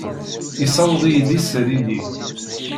Yessaweḍ-iyi-d isali-nni.